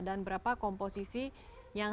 dan berapa komposisi yang